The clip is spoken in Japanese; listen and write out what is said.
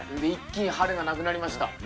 一気に春がなくなりました。